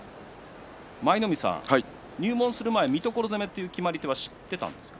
舞の海さん、入門する前三所攻めという決まり手は知ってたんですか？